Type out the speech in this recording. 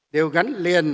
đều gắn liền